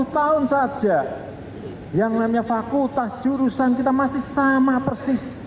sepuluh tahun saja yang namanya fakultas jurusan kita masih sama persis